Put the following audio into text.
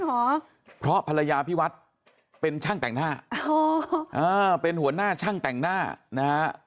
เหรอเพราะภรรยาพิวัฒน์เป็นช่างแต่งหน้าอ๋ออ่าเป็นหัวหน้าช่างแต่งหน้านะฮะ